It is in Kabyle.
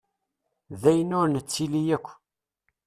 D ayen ur nettili yakk.